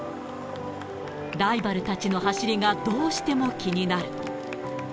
ライバルたちの走りがどうしても気になる。